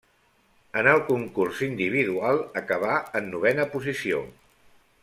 En el concurs individual acabà en novena posició.